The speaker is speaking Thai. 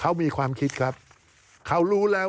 การเลือกตั้งครั้งนี้แน่